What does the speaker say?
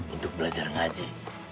untuk belajar ngaji